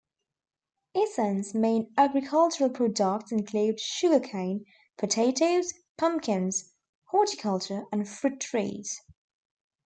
Isen's main agricultural products include sugar cane, potatoes, pumpkins, horticulture, and fruit trees.